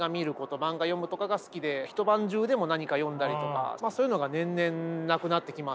漫画読むとかが好きで一晩中でも何か読んだりとかまあそういうのが年々なくなってきまして。